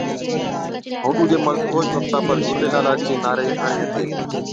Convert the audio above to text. ائُون ڏُوجي مرد اوهچ وقتا پر ”جھُولي لالا“ چي نعري ھَڻي ھِتي